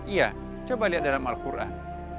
iya coba lihat dalam al quran